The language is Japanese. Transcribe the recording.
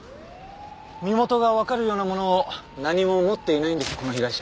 身元がわかるようなものを何も持っていないんですこの被害者。